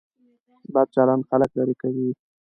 بد چلند خلک لرې کوي.